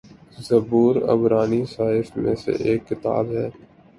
زبور عبرانی صحائف میں سے ایک کتاب ہے